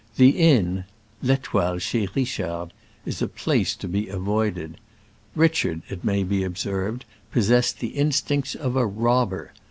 The inn — L'^fetoile, chez Richard — is a place to be avoided. Richard, it may be ob served, possessed the instincts of a rob ber.